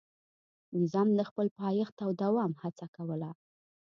نظام د خپل پایښت او دوام هڅه کوله.